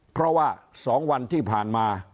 เพราะว่า๒วันที่ผ่านมา